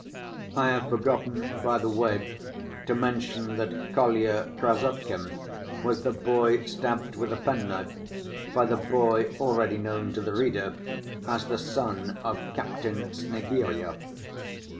I have forgotten, by the way, to mention that Kolya Krassotkin was the boy stabbed with a penknife by the boy already known to the reader as the son of Captain Snegiryov.